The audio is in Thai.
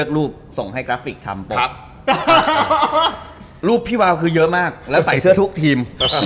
ลูกพี่วาวคือเยอะมากแล้วใส่เสื้อทุกทีม